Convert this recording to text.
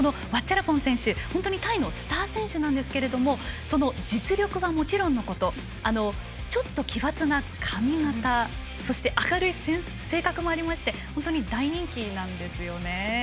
本当にタイのスター選手ですが実力はもちろんのことちょっと奇抜な髪形そして明るい性格もありまして本当に大人気なんですよね。